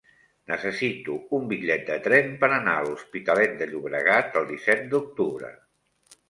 Necessito un bitllet de tren per anar a l'Hospitalet de Llobregat el disset d'octubre.